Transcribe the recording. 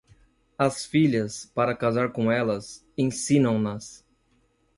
As filhas, para casar com elas, ensinam-nas.